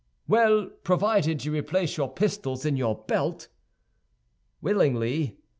"Well, provided you replace your pistols in your belt." "Willingly."